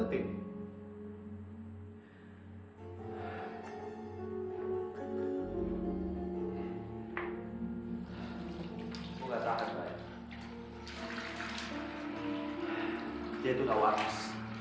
dia tuh gak waras